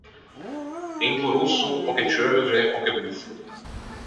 Tempo rosso, ò che ceuve ò che boffo.